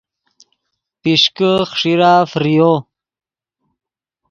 پیشکے خݰیرا فریو